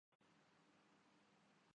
سہا تو کیا نہ سہا اور کیا تو کیا نہ کیا